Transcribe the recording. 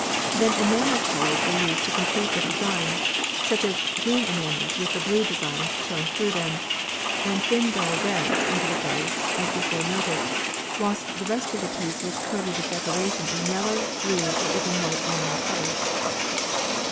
Then enamel colours were used to complete the design, such as green enamels with the blue designs showing through them and thin dull reds under the glaze, as before noted, whilst the rest of the piece was coated with decoration in yellow, blue, or even white enamel colours.